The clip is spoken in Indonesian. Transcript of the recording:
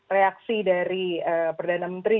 reaksi dari perdana menteri